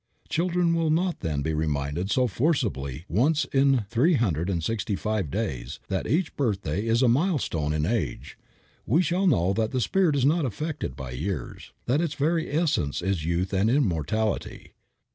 Children will not then be reminded so forcibly once in three hundred and sixty five days that each birthday is a milestone in age. We shall know that the spirit is not affected by years, that its very essence is youth and immortality.